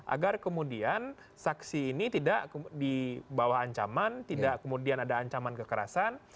agar kemudian saksi ini tidak di bawah ancaman tidak kemudian ada ancaman kekerasan